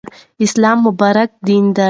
اسلام مبارک دین دی.